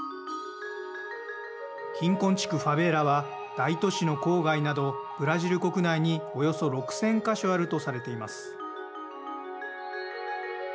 貧困地区ファベーラは大都市の郊外などブラジル国内におよそ６０００か所あるとされています。